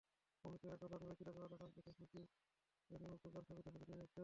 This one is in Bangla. অমিতের আঁকা বাঙালির চিরকালের আকাঙ্ক্ষিত সুখী-নির্বিবাদী মুগ্ধতার ছবি দেখে জুড়িয়ে যায় চোখ।